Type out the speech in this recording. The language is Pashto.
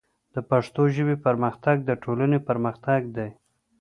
د پښتو ژبې پرمختګ د ټولنې پرمختګ دی.